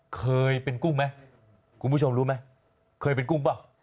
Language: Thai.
เคยเป็นกุ้งไหมคุณผู้ชมรู้ไหมเคยเป็นกุ้งเปล่า